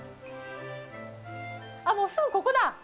もう、すぐここだ。